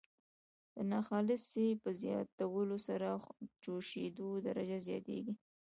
د ناخالصې په زیاتولو سره جوشیدو درجه زیاتیږي.